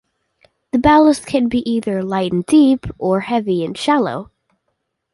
The ballast can either be light and deep, or heavy and shallow.